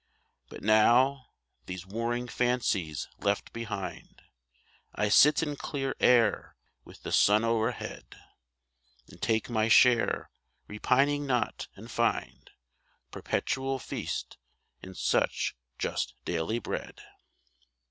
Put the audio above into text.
But now, these warring fancies left behind, I sit in clear air with the sun o erhead, And take my share, repining not, and find Perpetual feast in just such daily bread : 82 RESTFULNESS.